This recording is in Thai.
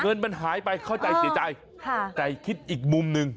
เงินมันหายไปเข้าใจเสียใจค่ะแต่คิดอีกมุมหนึ่ง